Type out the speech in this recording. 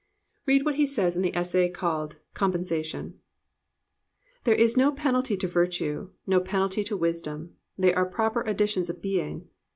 Read what he says in the essay called Compensa tion : "There is no penalty to virtue; no penalty to wisdom; they are proper additions of being.